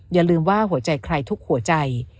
อย่าลืมว่าหัวใจใครทุกหัวใจ